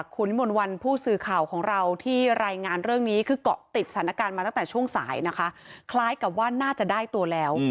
คล้ายกับว่าน่าจะได้ตัวแล้ว